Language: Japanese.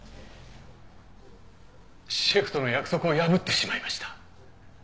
シェフとの約束を破ってしまいました。